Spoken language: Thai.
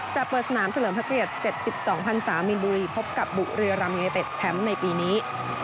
จะเปิดสนามเฉลิมภักดิ์เรียน๗๒๐๐๓มินบุรีพบกับบุรีรำเยเทศแชมป์ในปีนี้